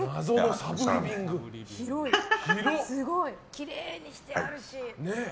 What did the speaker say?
きれいにしてあるし。